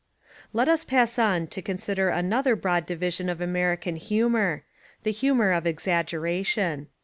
Let us pass on to consider another broad di vision of American humour, the Humour of Exaggeration.